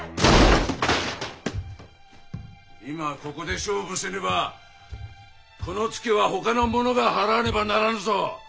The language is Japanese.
今ここで勝負せねばこのツケはほかの者が払わねばならぬぞ！